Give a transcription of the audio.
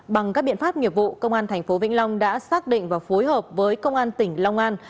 bằng các biện pháp nghiệp vụ công an tp vĩnh long đã xác định và phối hợp với công an tỉnh long an